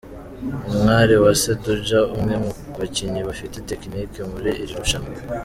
Umwariwase Dudja umwe mu bakinnyi bafite tekinike muri iri rushanwa